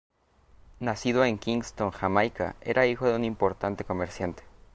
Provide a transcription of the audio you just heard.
Nacido en Kingston, Jamaica, era hijo de un importante comerciante.